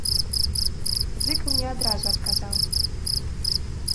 Зыкаў не адразу адказаў.